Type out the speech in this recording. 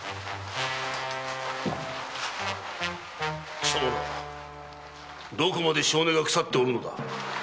貴様らどこまで性根が腐っておるのだ。